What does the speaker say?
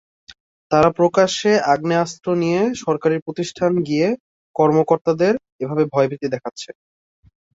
তারা প্রকাশ্যে আগ্নেয়াস্ত্র নিয়ে সরকারি প্রতিষ্ঠানে গিয়ে কর্মকর্তাদের এভাবে ভয়ভীতি দেখাচ্ছে।